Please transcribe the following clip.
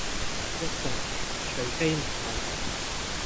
一定係，除非唔係